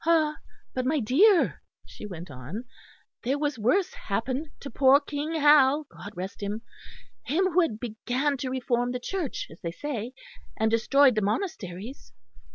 "Ah! but, my dear," she went on, "there was worse happened to poor King Hal, God rest him him who began to reform the Church, as they say, and destroyed the monasteries.